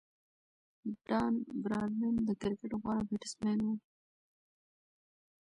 ډان براډمن د کرکټ غوره بیټسمېن وو.